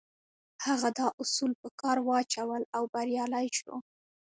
هغه دا اصول په کار واچول او بريالی شو.